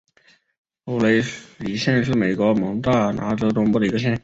普雷里县是美国蒙大拿州东部的一个县。